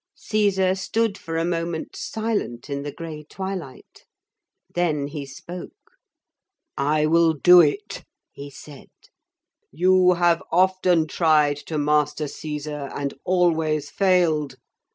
Caesar stood for a moment silent in the grey twilight. Then he spoke. 'I will do it,' he said; 'you have often tried to master Caesar and always failed.